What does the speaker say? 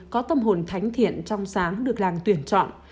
có tâm hồn thánh thiện trong sáng được làng tuyển chọn